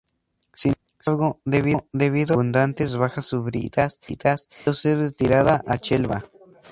Sin embargo, debido a las abundantes bajas sufridas, debió ser retirada a Chelva.